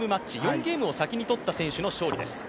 ４ゲームを先に取った選手の勝利です。